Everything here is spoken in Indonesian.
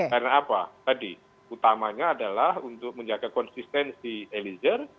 karena apa tadi utamanya adalah untuk menjaga konsistensi eliezer